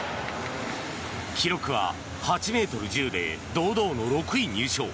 記録は８ｍ１０で堂々の６位入賞。